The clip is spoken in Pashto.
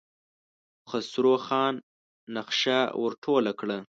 خسرو خان نخشه ور ټوله کړه.